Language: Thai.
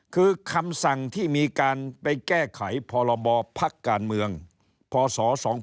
คือคำสั่งที่มีการไปแก้ไขพรบพักการเมืองพศ๒๕๖